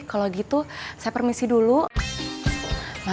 kalau begitu ma permisi ma